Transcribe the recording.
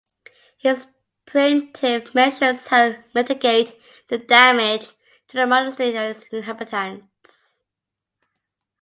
His preemptive measures helped mitigate the damage to the monastery and its inhabitants.